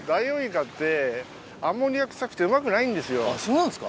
あっそうなんですか。